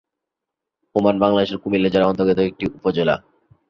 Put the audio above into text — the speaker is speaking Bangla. হোমনা বাংলাদেশের কুমিল্লা জেলার অন্তর্গত একটি উপজেলা।